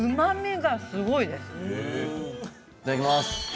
いただきます。